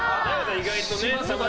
意外とね。